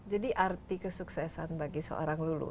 jadi arti kesuksesan bagi seorang lulu